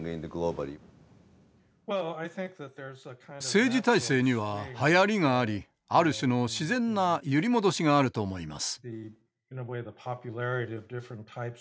政治体制にははやりがありある種の自然な揺り戻しがあると思います。